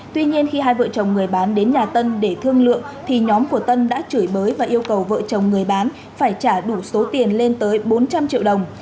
tuy nhiên khi hai vợ chồng người bán đến nhà tân để thương lượng thì nhóm của tân đã chửi bới và yêu cầu vợ chồng người bán phải trả đủ số tiền lên tới bốn trăm linh triệu đồng